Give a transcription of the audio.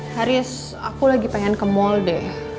haris aku lagi pengen ke mall deh